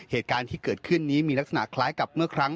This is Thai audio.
เหตุการณ์ที่เกิดขึ้นนี้มีลักษณะคล้ายกับเมื่อครั้ง